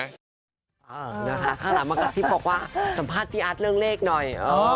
นะคะข้างหลังมากระซิบบอกว่าสัมภาษณ์พี่อาร์ทเรื่องเลขหน่อย